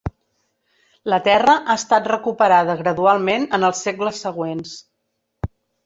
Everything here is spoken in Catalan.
La terra ha estat recuperada gradualment en els segles següents.